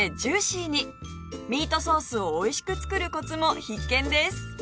ミートソースをおいしく作るコツも必見です